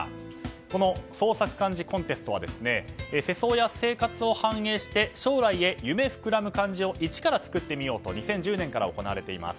この創作漢字コンテストは世相や生活を反映して将来へ夢膨らむ漢字を１から作ってみようと２０１０年から行われています。